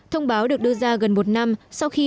thông báo được đưa ra gần một năm sau khi